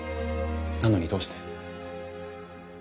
なのにどうして。